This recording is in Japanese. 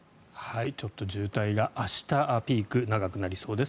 ちょっと渋滞が明日ピーク、長くなりそうです。